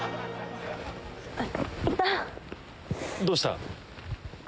どうした？